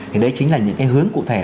thì đấy chính là những cái hướng cụ thể